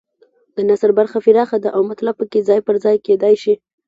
د نثر برخه پراخه ده او مطلب پکې ځای پر ځای کېدای شي.